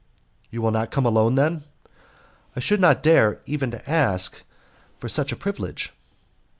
"You will not come alone, then?" "I should not dare even to ask for such a privilege."